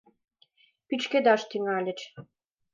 Пӱчкедаш тӱҥальыч.